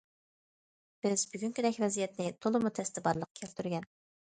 بىز بۈگۈنكىدەك ۋەزىيەتنى تولىمۇ تەستە بارلىققا كەلتۈرگەن.